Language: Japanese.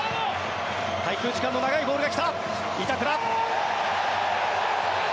滞空時間の長いボールが来た。